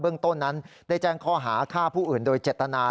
ต้นนั้นได้แจ้งข้อหาฆ่าผู้อื่นโดยเจตนา